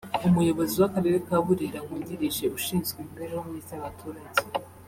umuyobozi w’Akarere ka Burera wungirije ushinzwe imibereho myiza y’abaturage